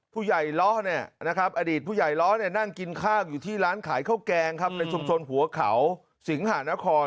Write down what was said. ผู้ใหญ่เนี่ยนะครับอดีตผู้ใหญ่เนี่ยนั่งกินค่าก